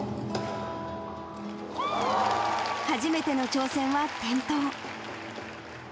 初めての挑戦は転倒。